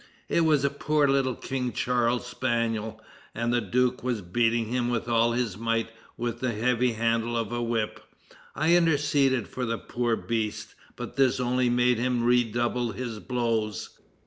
It was a poor little King Charles spaniel, and the duke was beating him with all his might with the heavy handle of a whip. I interceded for the poor beast; but this only made him redouble his blows.